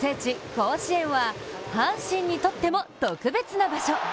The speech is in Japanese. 甲子園は阪神にとっても特別な場所。